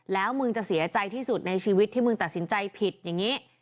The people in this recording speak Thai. แล้วมึงจะเสียใจที่สุดในชีวิตที่มึงตัดสินใจผิดอย่างนี้